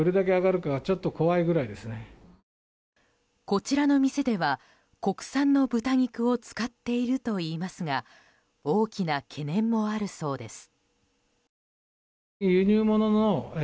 こちらの店では国産の豚肉を使っているといいますが大きな懸念もあるそうです。